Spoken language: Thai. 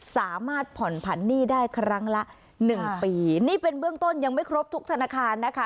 สามารถผ่อนผันหนี้ได้ครั้งละหนึ่งปีนี่เป็นเบื้องต้นยังไม่ครบทุกธนาคารนะคะ